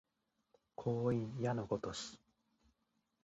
光陰矢のごとし